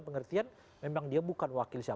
pengertian memang dia bukan wakil